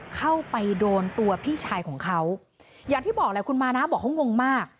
เข้าไปโดนตัวพี่ชายของเขาอย่างที่บอกแหละคุณมานะบอกเขางงมาก